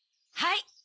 はい。